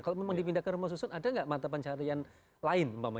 kalau memang dipindah ke rumah susun ada nggak mata pencarian lain